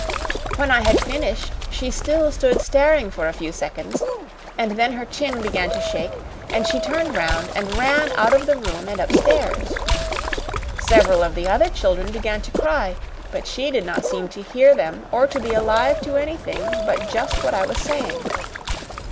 When I had finished, she still stood staring for a few seconds, and then her chin began to shake, and she turned round and ran out of the room and upstairs. Several of the other children began to cry, but she did not seem to hear them or to be alive to anything but just what I was saying.